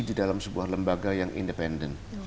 di dalam sebuah lembaga yang independen